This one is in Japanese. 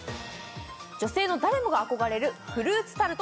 女性の誰もが憧れるフルーツタルト